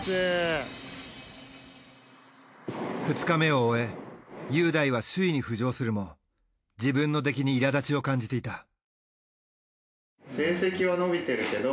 ２日目を終え雄大は首位に浮上するも自分の出来にいらだちを感じていた。